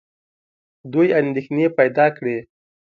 دوی اندېښنې پیدا کړې.